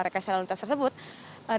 tidak ada ataupun kepadatan yang terjadi